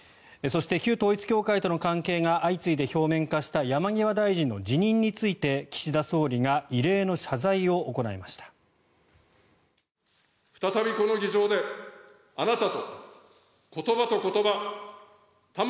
そして、旧統一教会との関係が相次いで表面化した山際大臣の辞任について岸田総理が異例の謝罪を行いました。